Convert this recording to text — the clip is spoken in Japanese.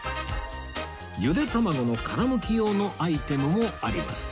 ゆで卵の殻むき用のアイテムもあります